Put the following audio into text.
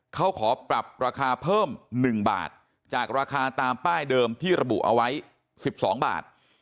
เขาขอปรับราคาเพิ่ม๑บาทจากราคาตามป้ายเดิมที่ระบุเอาไว้๑๒บาท